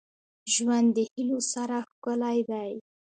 • ژوند د هيلو سره ښکلی دی.